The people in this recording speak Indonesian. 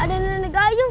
ada nenek gayung